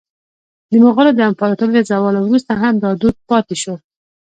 د مغولو د امپراطورۍ له زواله وروسته هم دا دود پاتې شو.